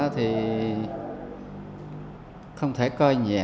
thì không thể coi nhẹ